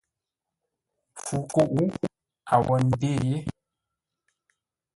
Mpfu kúʼ a wó ndê yé.